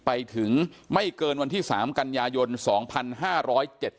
ไปถึงไม่เกินวันที่๓กัญญาณยนตร์๒๕๗๐